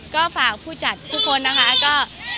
ก็ฝากผู้จัดทุกคนนะคะก็